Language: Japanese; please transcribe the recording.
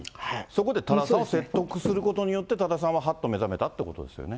そこで多田さんを説得することによって、多田さんははっと目覚めたということですよね。